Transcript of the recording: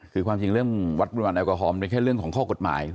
คือความจริงเรื่องวัดปริมาณแอลกอฮอลในแค่เรื่องของข้อกฎหมาย